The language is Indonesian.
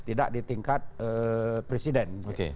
tidak di tingkat presiden